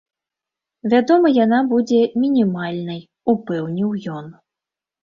Вядома яна будзе мінімальнай, упэўніў ён.